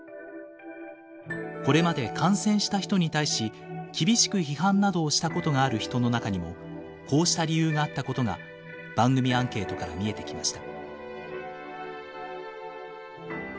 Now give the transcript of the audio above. これまで感染した人に対し厳しく批判などをしたことがある人の中にもこうした理由があったことが番組アンケートから見えてきました。